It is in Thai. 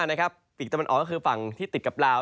ปีกตะวันออกก็คือฝั่งที่ติดกับลาว